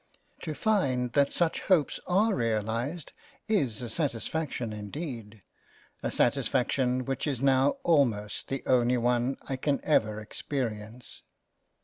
To find that such Hopes are realised is a satisfaction indeed, a satisfaction which is now almost the only one I can ever experience.